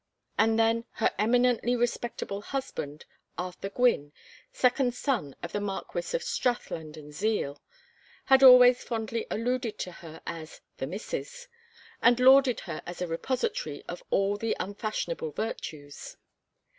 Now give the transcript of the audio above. And then her eminently respectable husband, Arthur Gwynne, second son of the Marquess of Strathland and Zeal, had always fondly alluded to her as "The Missus," and lauded her as a repository of all the unfashionable virtues.